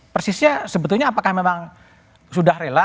persisnya sebetulnya apakah memang sudah rela